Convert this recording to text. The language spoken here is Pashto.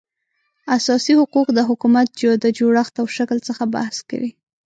اساسي حقوق د حکومت د جوړښت او شکل څخه بحث کوي